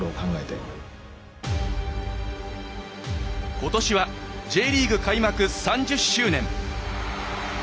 今年はＪリーグ開幕３０周年。